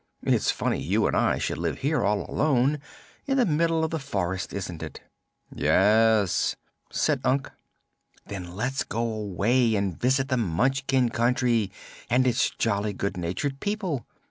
It's funny you and I should live here all alone, in the middle of the forest, isn't it?" "Yes," said Unc. "Then let's go away and visit the Munchkin Country and its jolly, good natured people.